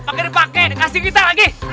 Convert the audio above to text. pakai pakai kasih kita lagi